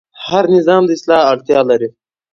هر نظام د اصلاح اړتیا لري